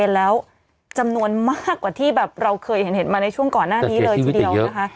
แล้วจำนวนมากกว่าที่แบบเราเคยเห็นมาในช่วงก่อนหน้านี้เลยทีเดียวนะคะ